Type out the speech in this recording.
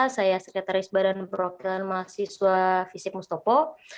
saya sekretaris badan dan perwakilan mahasiswa fisik mustafa